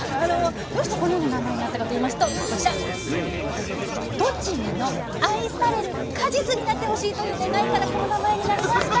どうしてこのような名前になったかといいますとこちらになってほしいという願いからこの名前になりました。